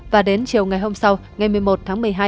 và đến chiều ngày hôm sau ngày một mươi một tháng một mươi hai